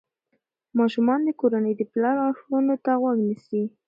ماشومان د کورنۍ د پلار لارښوونو ته غوږ نیسي.